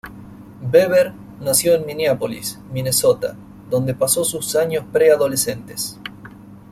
Webber nació en Minneapolis, Minnesota, donde pasó sus años preadolescentes.